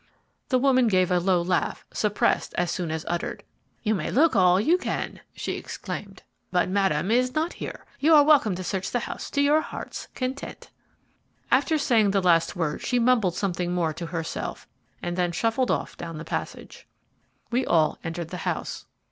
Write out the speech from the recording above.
The woman gave a low laugh, suppressed as soon as uttered. "You may look all you can," she exclaimed, "but Madame is not here. You are welcome to search the house to your hearts' content." After saying the last words she mumbled something more to herself, and then shuffled off down the passage. We all entered the house.